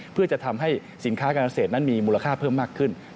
เพื่อจะทำให้สินค้าการเกษตรนั้นมีมูลค่าเพิ่มมากขึ้น